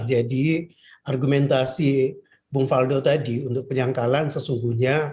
jadi argumentasi bung faldo tadi untuk penyangkalan sesungguhnya